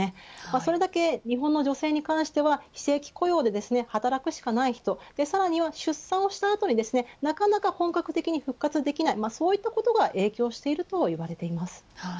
それだけ、日本の女性に関しては非正規雇用で働くしかない人さらには出産をした後になかなか本格的に復活できないそういったことが影響していると言われています。